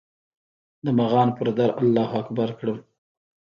د مغان پر در الله اکبر کړم